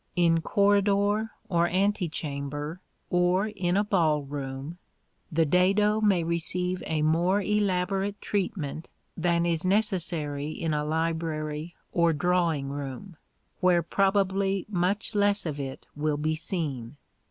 In corridor or antechamber, or in a ball room, the dado may receive a more elaborate treatment than is necessary in a library or drawing room, where probably much less of it will be seen.